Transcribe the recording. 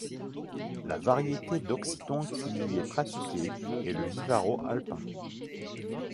La variété d’occitan qui y est pratiquée est le vivaro-alpin.